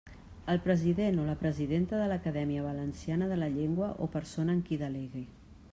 El president o la presidenta de l'Acadèmia Valenciana de la Llengua o persona en qui delegue.